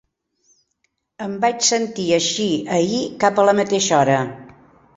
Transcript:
Em vaig sentir així ahir cap a la mateixa hora.